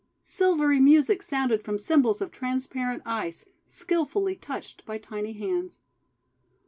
Silvery music sounded from cymbals of transparent Ice skilfully touched by tiny hands.